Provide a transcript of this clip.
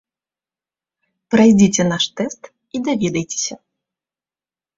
Прайдзіце наш тэст і даведайцеся!